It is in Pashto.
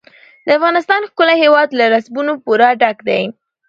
د افغانستان ښکلی هېواد له رسوبونو پوره ډک دی.